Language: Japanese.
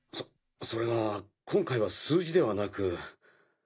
そそれが今回は数字ではなく。